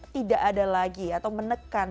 tidak ada lagi atau menekan